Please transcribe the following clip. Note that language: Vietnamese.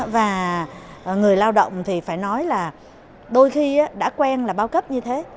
và người lao động thì phải nói là đôi khi đã quen là bao cấp như thế